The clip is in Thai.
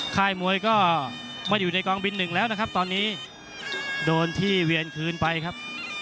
ค่ายมวยก็ไม่ได้อยู่ในกองบินหนึ่งแล้วนะครับตอนนี้โดนที่เวียนคืนไปครับ